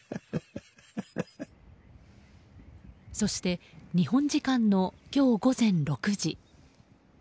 そして、日本時間の今日午前６時。